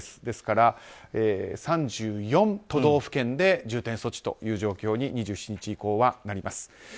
ですから、３４都道府県で重点措置という状況に２７日以降はなります。